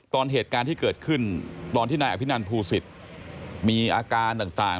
ตอนเหตุการณ์ที่เกิดขึ้นตอนที่นายอภินันภูศิษย์มีอาการต่าง